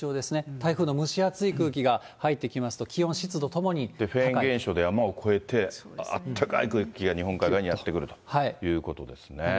台風の蒸し暑い空気が入ってきますと、気温、フェーン現象で山を越えて、あったかい空気が日本海側にやって来るということですね。